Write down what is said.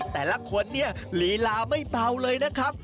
แต่ละคนเนี่ยลีลาไม่เบาเลยนะครับ